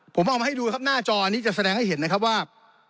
ผมเอามาให้ดูครับหน้าจอนี้จะแสดงให้เห็นนะครับว่า